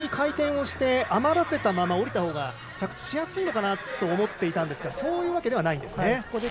意外と先に回転をして余らせたまま降りたほうが着地しやすいのかなと思っていたんですがそういうわけじゃないんですね。